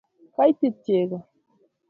kaitit chego